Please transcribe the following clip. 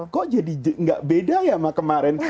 kok jadi gak beda ya kemarin